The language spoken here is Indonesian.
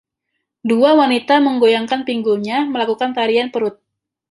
Dua wanita menggoyangkan pinggulnya melakukan tarian perut.